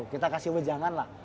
kita kasih ube jangan lah